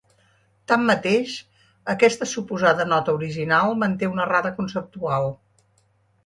Tanmateix, aquesta suposada nota original manté una errada conceptual.